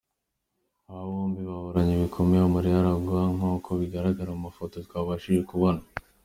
Aba bombi bahoberanye bikomeye amarira aragwa nk'uko bigaragara mu mafoto twabashije kubona.